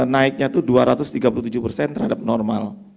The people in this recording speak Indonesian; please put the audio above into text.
naiknya itu dua ratus tiga puluh tujuh terhadap normal